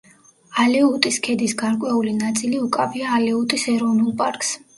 ალეუტის ქედის გარკვეული ნაწილი უკავია ალეუტის ეროვნულ პარკს.